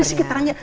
ada di sekitarnya